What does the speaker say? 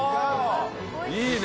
いいね！